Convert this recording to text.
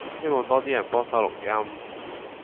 希望多 D 人幫手錄音